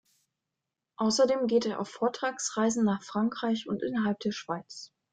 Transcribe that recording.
Außerdem geht er auf Vortragsreisen nach Frankreich und innerhalb der Schweiz.